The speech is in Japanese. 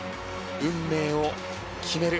運命を決める